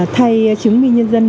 thay chứng minh nhân dân